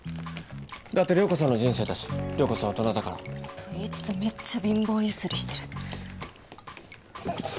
だって涼子さんの人生だし涼子さん大人だから。と言いつつめっちゃ貧乏揺すりしてる。